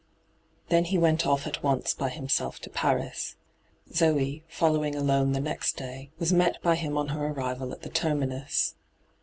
Then he went off at once by himself to Paris. Zoe, following alone the next day, was met by him on her arrival at the terminus.